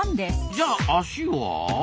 じゃあ足は？